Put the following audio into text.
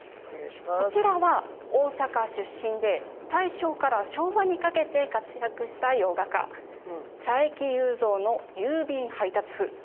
こちらは大阪出身で、大正から昭和にかけて活躍した洋画家、佐伯祐三の郵便配達夫。